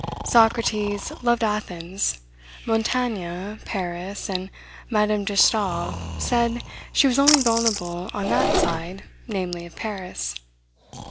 Socrates loved Athens; Montaigne, Paris; and Madame de Stael said, she was only vulnerable on that side (namely, of Paris).